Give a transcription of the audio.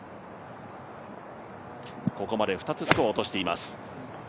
ここまで２つスコアを落としています。